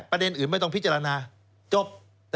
ประเด็นอื่นไม่ต้องพิจารณาจบ